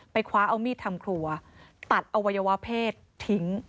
คว้าเอามีดทำครัวตัดอวัยวะเพศทิ้ง